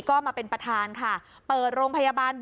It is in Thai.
ก็มาเป็นประธานค่ะ